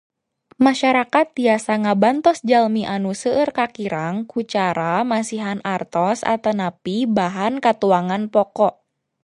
Masarakat tiasa ngabantos jalmi anu seueur kakirang ku cara masihan artos atanapi bahan katuangan pokok.